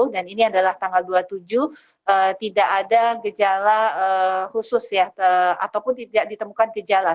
dan ini adalah tanggal dua puluh tujuh tidak ada gejala khusus ya ataupun tidak ditemukan gejala